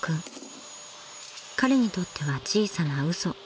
［彼にとっては小さな嘘］